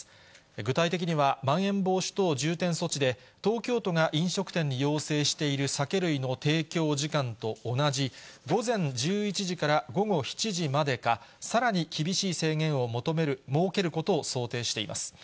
具体的には、まん延防止等重点措置で、東京都が飲食店に要請している酒類の提供時間と同じ、午前１１時から午後７時までか、さらに厳しい制限を設けることを想定しています。